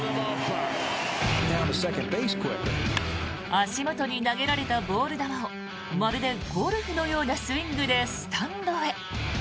足元に投げられたボール球をまるでゴルフのようなスイングでスタンドへ。